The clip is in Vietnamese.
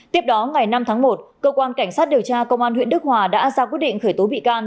tiếp đó ngày năm tháng một cơ quan cảnh sát điều tra công an huyện đức hòa đã ra quyết định khởi tố bị can